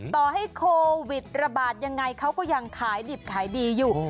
ต่อให้โควิดระบาดยังไงเขาก็ยังขายดิบขายดีอยู่